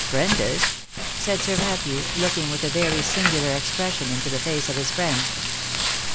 "'Prentice?" said Sir Matthew, looking with a very singular ex pression into the face of his friend.